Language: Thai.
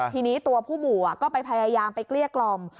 ทีนี้ตัวผู้หมู่ก็ไปพยายามไปเกลี้ยกล่อม